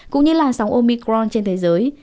cũng như là dòng omicron trên thế giới